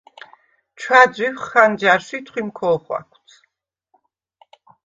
ჩვა̈ძუ̈ჰ ხანჯარშვ ი თხვიმ ქო̄ხვაქვც.